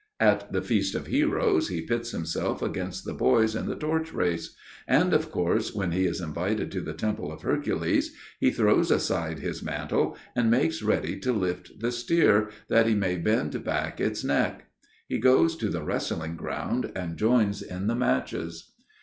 At the feast of heroes he pits himself against the boys in the torch race; and of course when he is invited to the temple of Hercules, he throws aside his mantle, and makes ready to lift the steer, that he may bend back its neck. He goes to the wrestling grounds and joins in the matches.